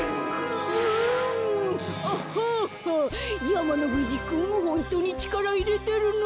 やまのふじくんホントにちからいれてるの？